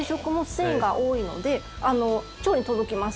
繊維が多いので腸に届きます。